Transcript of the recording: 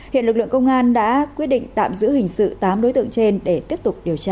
hiện lực lượng công an đã quyết định tạm giữ hình sự tám đối tượng trên để tiếp tục điều tra